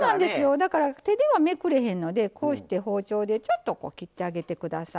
だから手ではめくれへんのでこうして包丁でちょっとこう切ってあげてください。